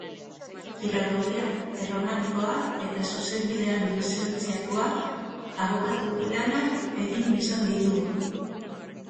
Filologia Erromanikoa eta Zuzenbidean lizentziatua, abokatu lanak egin izan ditu.